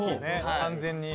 完全に。